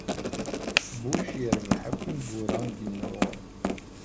Bush yerbeḥ akk imgura ay yennuɣ.